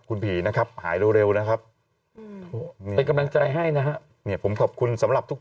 คุณผีนะครับหายเร็วนะครับเป็นกำลังใจให้นะฮะเนี่ยผมขอบคุณสำหรับทุก